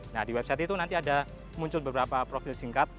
nah di website itu nanti ada muncul beberapa profil singkat